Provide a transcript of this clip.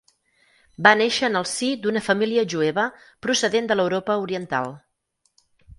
Va néixer en el si d’una família jueva procedent de l’Europa Oriental.